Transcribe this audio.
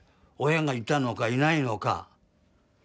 親がいたのかいないのか。